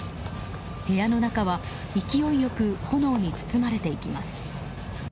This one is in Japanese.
部屋の中は勢いよく炎に包まれていきます。